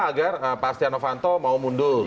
agar stina novanto mau mundur